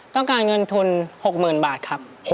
ต้องการเงินทุน๖๐๐๐บาทครับ